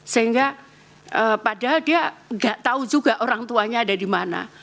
sehingga padahal dia nggak tahu juga orang tuanya ada di mana